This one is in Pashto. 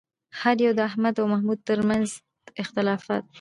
هر یو د احمد او محمود ترمنځ اختلافات